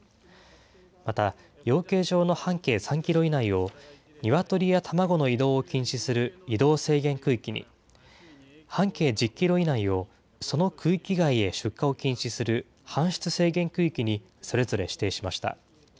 また、養鶏場の半径３キロ以内を、ニワトリや卵の移動を禁止する移動制限区域に、半径１０キロ以内をその区域外へ出荷を禁止する搬出制限区域に、それぞれ指定しました。